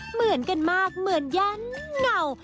เหมือนกันมากเหมือนยันเงา